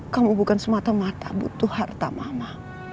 kamu bukan semata mata butuh harta mama